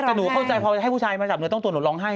แต่หนูเข้าใจพอจะให้ผู้ชายมาจับหนูต้องตัวหนูร้องไห้